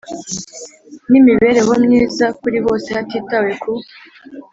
n imibereho myiza kuri bose hatitawe ku